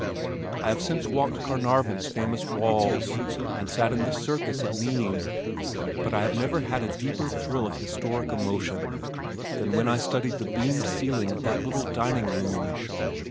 I have since walked Carnarvan's famous walls, and sat in the circus at Nismes but I have never had a deeper thrill of historic emotion than when I studied the beamed ceiling of that little dining room.